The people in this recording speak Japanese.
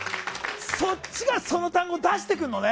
そっちがその単語出してくんのね！